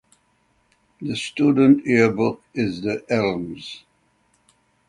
The student yearbook is "The Elms".